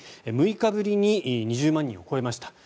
６日ぶりに２０万人を超えました。